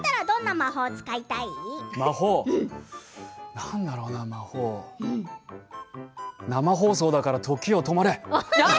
魔法生放送だから時よ止まれ。